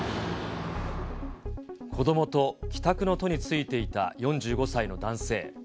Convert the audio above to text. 子どもと帰宅の途に就いていた４５歳の男性。